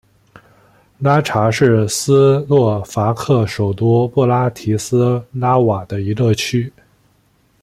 拉察是斯洛伐克首都布拉提斯拉瓦的一个区。